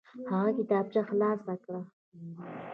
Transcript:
هغه کتابچه خلاصه کړه.